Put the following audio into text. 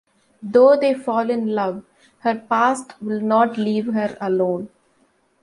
Though they fall in love, her past will not leave her alone.